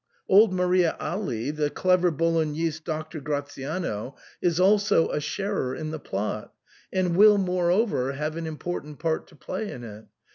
Old Maria Agli, the clever Bolognese Doctor Gratiano, is also a sharer in the plot, and will, moreover, have an im portant part to play in it.